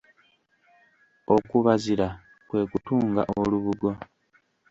Okubazira kwe kutunga olubugo.